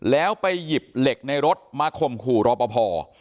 แล้วไปหยิบเหล็กในรถมาข่มขู่รอปภ